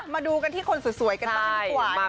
มาดูกันที่คนสวยกันบ้าง